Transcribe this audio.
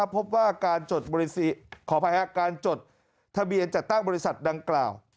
พบว่าการจดทะเบียนจากตั้งบริษัทดังกล่าว